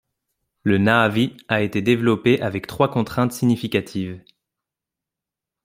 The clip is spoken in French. Le na'vi a été développée avec trois contraintes significatives.